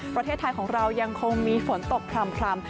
ประเทศไทยของเรายังคงมีฝนตกคลำ